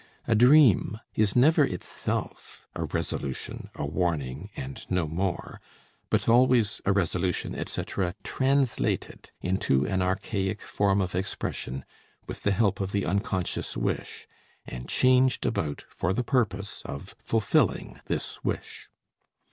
A dream is never itself a resolution, a warning, and no more but always a resolution, etc., translated into an archaic form of expression with the help of the unconscious wish, and changed about for the purpose of fulfilling this wish.